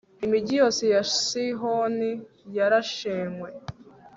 imigi yose ya sihoni yarashenywe